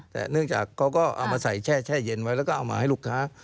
แต่เนื่องจากเขาก็เอามาใส่แช่เย็นไว้แล้วก็เอามาให้ลูกค้า